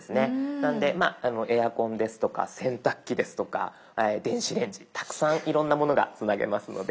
なのでまあエアコンですとか洗濯機ですとか電子レンジたくさんいろんなものがつなげますので。